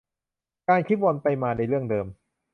การคิดวนไปมาในเรื่องเดิม